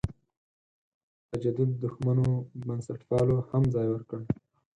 تجدد دښمنو بنسټپالو هم ځای ورکړ.